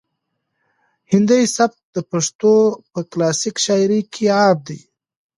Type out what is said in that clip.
هندي سبک د پښتو په کلاسیک شاعري کې عام دی.